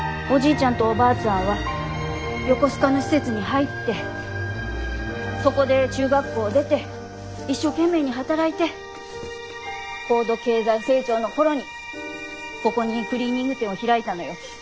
ちゃんとおばあちゃんは横須賀の施設に入ってそこで中学校を出て一生懸命に働いて高度経済成長の頃にここにクリーニング店を開いたのよ。